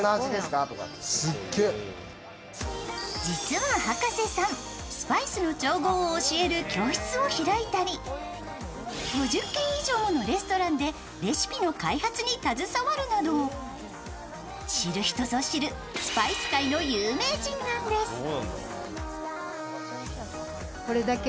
実は博士さん、スパイスの調合を教える教室を開いたり、５０軒以上ものレストランでレシピの開発に携わるなど、知る人ぞ知る、スパイス界の有名人なんです。